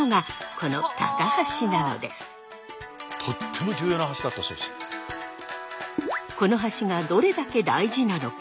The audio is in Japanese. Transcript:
この橋がどれだけ大事なのか。